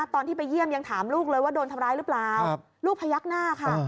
ตอนที่ไปเยี่ยมยังถามลูกเลยว่าโดนทำร้ายหรือเปล่าลูกพยักหน้าค่ะ